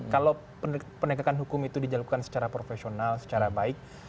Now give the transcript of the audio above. kalau penegakan hukum itu dijalankan secara profesional secara baik